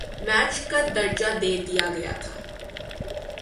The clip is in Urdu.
میچ کا درجہ دے دیا گیا تھا